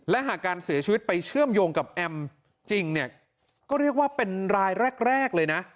และหากการเสียชีวิตไปเชื่อมโยงกับแอมจริงเนี่ยก็เรียกว่าเป็นรายแรกเลยนะ